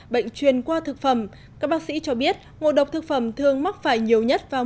bệnh truyền qua thực phẩm các bác sĩ cho biết ngộ độc thực phẩm thường mắc phải nhiều nhất vào